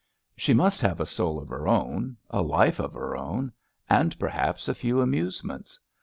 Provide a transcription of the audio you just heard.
She must have a soul of her own — a life of her own — and perhaps a few amusements.